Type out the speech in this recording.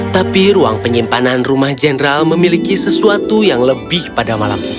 tapi ruang penyimpanan rumah general memiliki sesuatu yang lebih pada malam ini